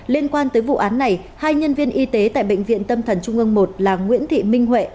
liên quan tới vụ án này hai nhân viên y tế tại bệnh viện tâm thần trung ương một là nguyễn thị minh huệ